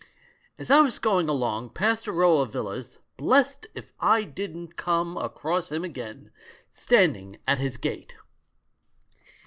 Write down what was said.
As I was going along, past a row of villas, blest if I didn't come across him again, standing at his gate